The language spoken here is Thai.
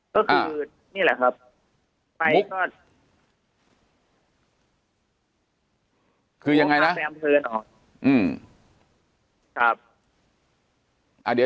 ก็คือนี่แหละครับมุกคือยังไงนะพาไปอำเภอหน่อย